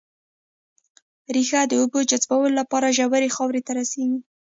ريښه د اوبو جذبولو لپاره ژورې خاورې ته رسېږي